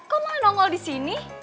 kok mau nongol di sini